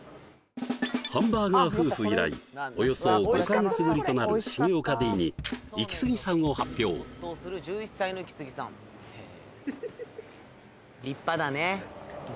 ハンバーガー夫婦以来およそ５カ月ぶりとなる重岡Ｄにイキスギさんを発表１１歳のイキスギさんへえ